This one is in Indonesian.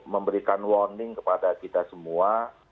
memberikan warning kepada kita semua